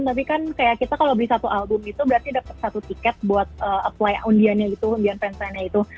tapi kan kayak kita kalau beli satu album itu berarti dapet satu tiket buat apply undiannya gitu undian fansignnya itu